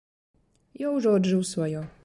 Я ўжо аджыў сваё.